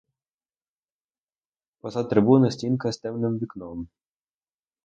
Позад трибуни стінка з темним вікном.